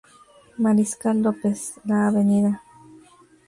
Mariscal López, la Avda.